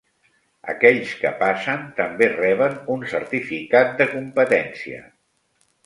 Aquells que passen també reben un "Certificat de Competència".